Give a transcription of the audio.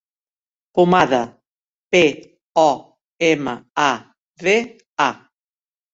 Pomada: pe, o, ema, a, de, a.